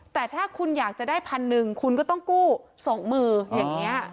แต่ถ้าคุณอยากจะได้พันหนึ่งคุณก็ต้องกู้๒มืออย่างนี้